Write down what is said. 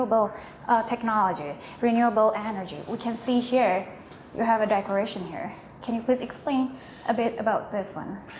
bolehkah anda menjelaskan sedikit tentang ini